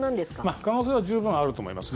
可能性は十分あると思いますね。